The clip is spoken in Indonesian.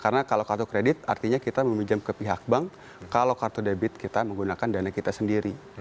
karena kalau kartu kredit artinya kita meminjam ke pihak bank kalau kartu debit kita menggunakan dana kita sendiri